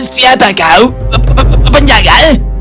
siapa kau penjaga